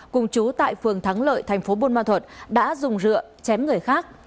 cùng chú tại phường thắng lợi thành phố buôn ma thuật đã dùng rượu chém người khác